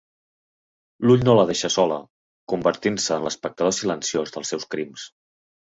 L’Ull no la deixa sola, convertint-se en l'espectador silenciós dels seus crims.